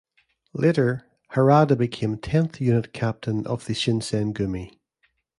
Later, Harada became the tenth Unit Captain of the Shinsengumi.